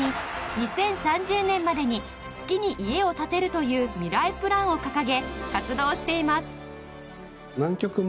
２０３０年までに月に家を建てるというミライプランを掲げ活動しています。